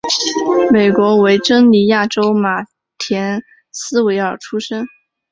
美国维珍尼亚州马田斯维尔出生。